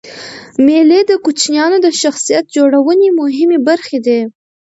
مېلې د کوچنيانو د شخصیت جوړنوني مهمي برخي دي.